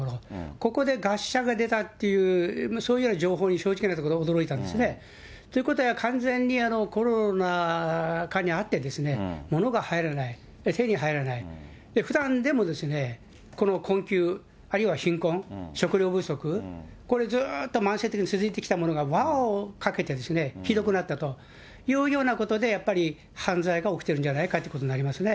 ここで餓死者が出たっていう、そういうような情報に正直なところ驚いたんですね。ということは完全にコロナ禍にあって、物が入らない、手に入らない、ふだんでもこの困窮、あるいは貧困、食料不足、これずっと慢性的に続いてきたものが輪をかけてひどくなったというようなことで、やっぱり犯罪が起きてるんじゃないかということになりますね。